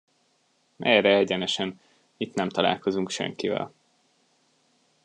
Erre egyenesen, itt nem találkozunk senkivel.